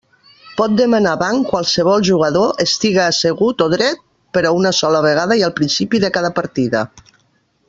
Pot demanar banc qualsevol jugador, estiga assegut o dret, per a una sola vegada i al principi de cada partida.